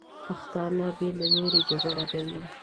پښتانه بې له ویرې جګړه کوي.